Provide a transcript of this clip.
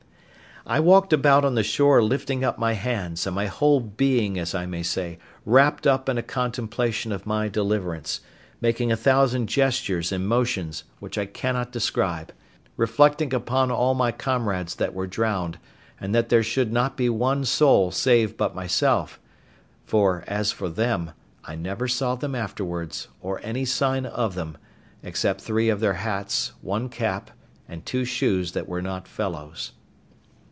I walked about on the shore lifting up my hands, and my whole being, as I may say, wrapped up in a contemplation of my deliverance; making a thousand gestures and motions, which I cannot describe; reflecting upon all my comrades that were drowned, and that there should not be one soul saved but myself; for, as for them, I never saw them afterwards, or any sign of them, except three of their hats, one cap, and two shoes that were not fellows.